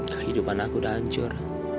kehidupan aku dah hancur